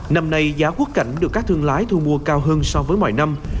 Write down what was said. năm nay giá quất cảnh được các thương lái thu mua cao hơn so với mọi năm